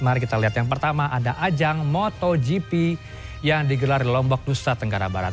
mari kita lihat yang pertama ada ajang motogp yang digelar di lombok nusa tenggara barat